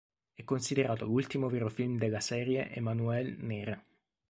È considerato l'ultimo vero film della serie Emanuelle nera.